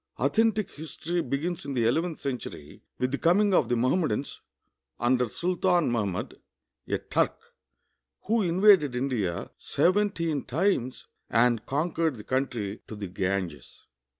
Authentic histor}' begins in the ele\ enth centur}^ with the coming of the Mohammedans under Sultan ]\Iahmud, a Turk, who invaded India seventeen times and conquered the country to the Ganges.